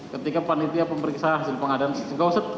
ketika panitia pemeriksa hasil pengadaan